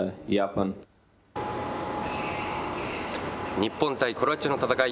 日本対クロアチアの戦い。